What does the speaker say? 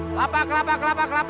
kelapa kelapa kelapa kelapa